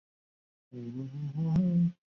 日本近江坂田郡人。